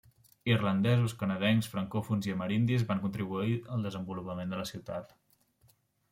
Irlandesos, canadencs francòfons i amerindis van contribuir al desenvolupament de la ciutat.